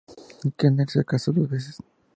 Kenner se casó dos veces.